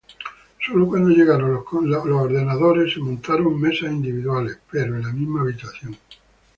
Sólo cuando llegaron los computadores se montaron mesas individuales, pero en la misma habitación.